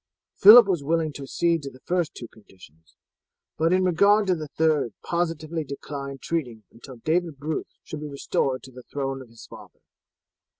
Phillip was willing to accede to the first two conditions; but in regard to the third positively declined treating until David Bruce should be restored to the throne of his father.